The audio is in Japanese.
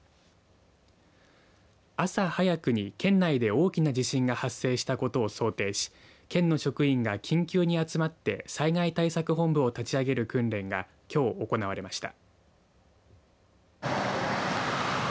朝早くに県内で大きな地震が発生したことを想定し県の職員が緊急に集まって災害対策本部を立ち上げる訓練がきょう行われました。